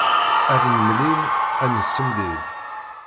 Ar nemlil ad nessemlil.